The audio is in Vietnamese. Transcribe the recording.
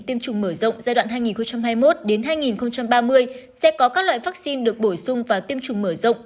tiêm chủng mở rộng giai đoạn hai nghìn hai mươi một hai nghìn ba mươi sẽ có các loại vaccine được bổ sung và tiêm chủng mở rộng